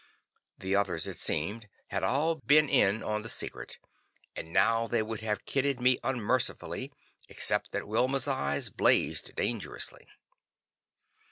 The others, it seemed, had all been in on the secret, and now they would have kidded me unmercifully, except that Wilma's eyes blazed dangerously.